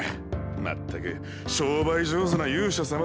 まったく商売上手な勇者様だ。